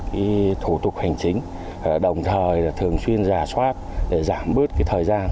các thủ tục hành chính đồng thời thường xuyên giả soát để giảm bớt thời gian